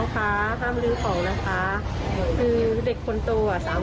พนักงานในร้าน